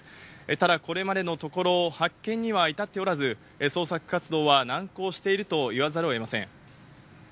ただこれまでのところ、発見には至っておらず、捜索活動は難航しているといわざるをえません。